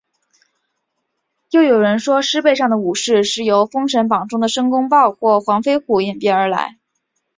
又有人说是狮背上的武士是由封神榜中的申公豹或黄飞虎演变而来。